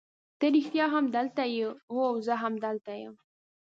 ته رښتیا هم دلته یې؟ هو زه همدلته یم.